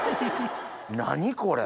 何これ。